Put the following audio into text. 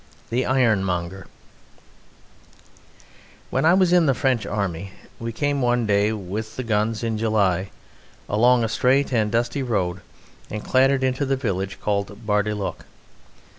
THE IRONMONGER When I was in the French army we came one day with the guns in July along a straight and dusty road and clattered into the village called Bar le Duc.